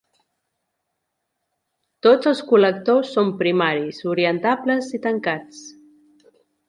Tots els col·lectors són primaris, orientables i tancats.